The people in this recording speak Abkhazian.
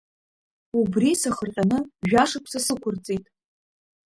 Убри сахырҟьаны жәашықәса сықәырҵеит!